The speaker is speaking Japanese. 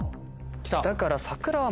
だから。